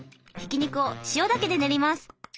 ひき肉を塩だけで練ります。